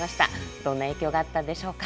どんな影響があったんでしょうか。